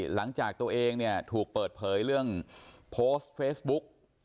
หลังจากตัวเองเนี่ยถูกเปิดเผยเรื่องโพสต์เฟซบุ๊ก